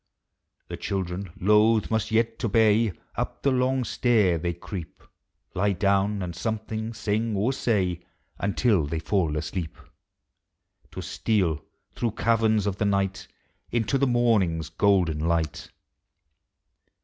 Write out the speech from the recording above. The children, loath, must yet obey; Up the long stair they creep; Lie down, and something sing or say Until they fall asleep, To steal through caverns of the night Into the morning's golden light.